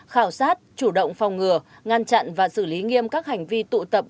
khảo sát chủ động phòng ngừa ngăn chặn và xử lý nghiêm các hành vi tụ tập